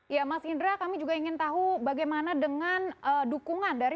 ya mas indra kami juga ingin tahu bagaimana dengan dukungan dari